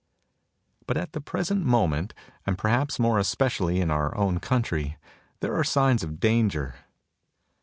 But at the present moment, and perhaps more especially in our own country, there are signs of danger.